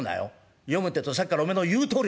読むってえとさっきからおめえの言うとおり出てんだい。